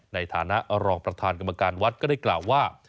ในฐานะรองประธานกรรมการวัดก็ได้กล่าวว่า